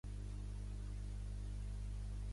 El seu darrer coordinador fou Franco Piro.